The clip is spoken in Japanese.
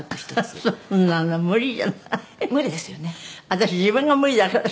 「私自分が無理だから」